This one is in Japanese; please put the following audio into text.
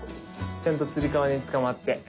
ちゃんとつり革につかまって。